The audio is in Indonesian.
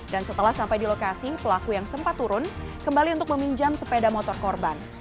dan setelah sampai di lokasi pelaku yang sempat turun kembali untuk meminjam sepeda motor korban